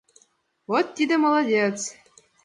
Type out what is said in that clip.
— Вот тиде молодец!